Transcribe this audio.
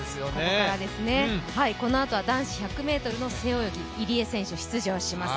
このあとは男子１００ｍの背泳ぎ、入江選手出場します。